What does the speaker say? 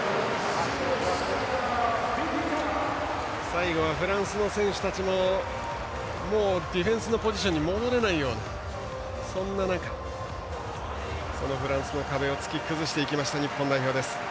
最後はフランスの選手たちももうディフェンスのポジションに戻れないようにそんな中でフランスの壁を突き崩した日本代表です。